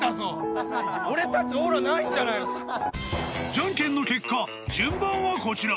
［じゃんけんの結果順番はこちら！］